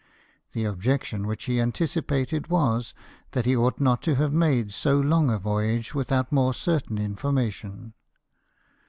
The objection which he anticipated was, that he ought not to have made so long a voyage without more certain information.